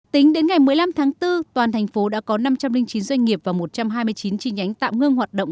tính đến ngày một mươi năm tháng bốn toàn thành phố đã có năm trăm linh chín doanh nghiệp và một trăm hai mươi chín chi nhánh tạm ngưng hoạt động